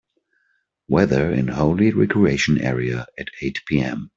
weather in Holly Recreation Area at eight P.m